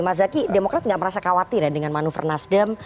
mas zaky demokrat gak merasa khawatir dengan manufer nasdem